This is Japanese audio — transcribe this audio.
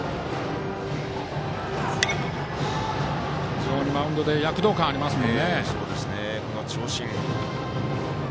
非常にマウンドで躍動感がありますね。